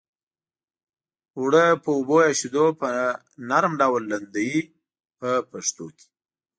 اوړه په اوبو یا شیدو په نرم ډول لمدوي په پښتو کې.